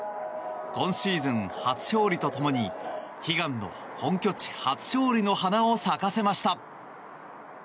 今シーズン初勝利とともに悲願の本拠地初勝利の花を咲かせました。